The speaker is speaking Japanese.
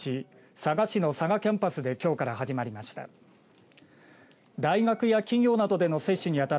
佐賀市の佐賀キャンパスできょうから始まりました。